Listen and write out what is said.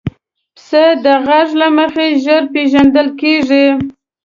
پسه د غږ له مخې ژر پېژندل کېږي.